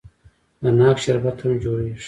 د ناک شربت هم جوړیږي.